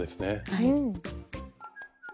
はい。